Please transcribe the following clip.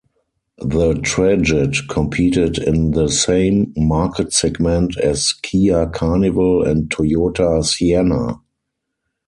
The Trajet competed in the same market segment as Kia Carnival and Toyota Sienna.